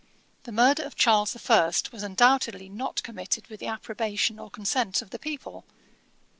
The murder of Charles the First was undoubtedly not committed with the approbation or consent of the people.